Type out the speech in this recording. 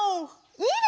いいね！